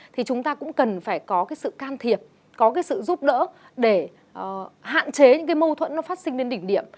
thì chúng ta cũng cần phải có cái sự can thiệp có cái sự giúp đỡ để hạn chế những cái mâu thuẫn nó phát sinh đến đỉnh điểm